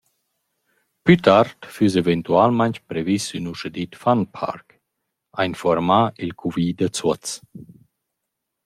Plü tard füss eventualmaing previs ün uschedit funparc», ha infuormà il cuvi da Zuoz.